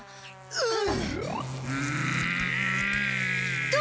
うん。